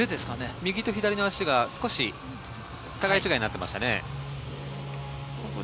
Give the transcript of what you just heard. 右と左の足が互い違いになっていましたね。